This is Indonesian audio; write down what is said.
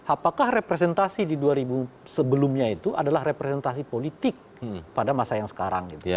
apakah representasi di dua ribu sebelumnya itu adalah representasi politik pada masa yang sekarang